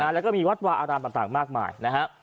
แล้วก็มีวัดวาอารามต่างมากมายนะฮะ